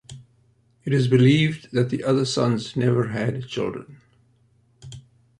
It is believed that the other sons never had children.